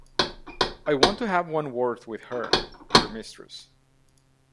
I want to have one word with her — your mistress.